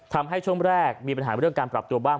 ช่วงแรกมีปัญหาเรื่องการปรับตัวบ้าง